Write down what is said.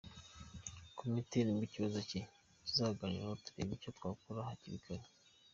komite nibwo ikibazo cye tuzakiganiraho turebe icyo twakora hakiri kare”.